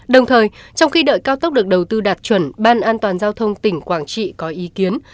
đồng thời trong khi đợi cao tốc được đầu tư đạt chuẩn ban an toàn giao thông tỉnh quảng trị có ý kiến